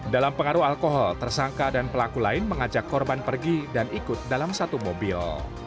dalam pengaruh alkohol tersangka dan pelaku lain mengajak korban pergi dan ikut dalam satu mobil